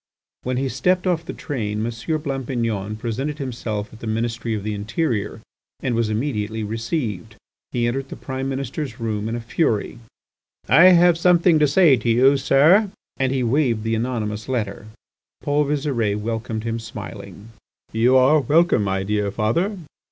When he stepped off the train M. Blampignon presented himself at the Ministry of the Interior, and was immediately received. He entered the Prime Minister's room in a fury. "I have something to say to you, sir!" And he waved the anonymous letter. Paul Visire welcomed him smiling. "You are welcome, my dear father.